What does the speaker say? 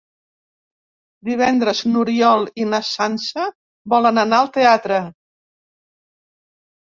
Divendres n'Oriol i na Sança volen anar al teatre.